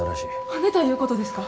はねたいうことですか？